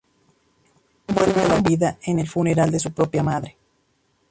Juan vuelve a la vida en el funeral de su propia madre.